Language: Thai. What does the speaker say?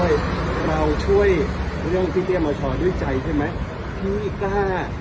เว้ยเราช่วยเรื่องพี่เฮเตียร์มัสโค้ยด้วยใจใช่ไหมพี่กล้า